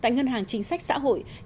tại ngân hàng chính sách xã hội